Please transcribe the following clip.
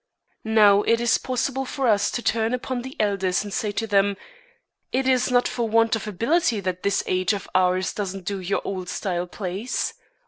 Now, it is possible for us to turn upon the elders and to say to them: "It is not for want of ability that this age of ours doesn't do your old style plays.